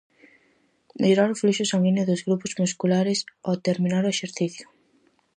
Mellorar o fluxo sanguíneo dos grupos musculares ó terminar o exercicio.